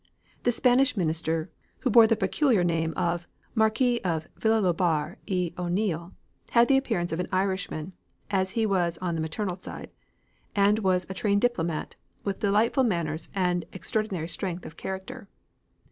The Spanish Minister, who bore the peculiar name of Marquis of Villalobar y O'Neill, had the appearance of an Irishman, as he was on the maternal side, and was a trained diplomat, with delightful manners and extraordinary strength of character.